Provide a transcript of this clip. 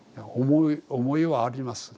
思いはあります。